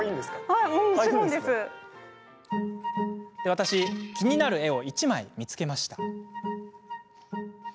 私、気になる絵を１枚見つけました。